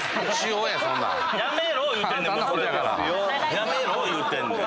やめろ言うてんねん！